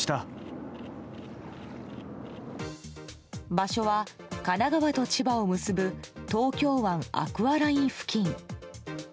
場所は神奈川と千葉を結ぶ東京湾アクアライン付近。